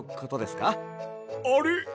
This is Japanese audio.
あれ？